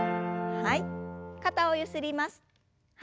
はい。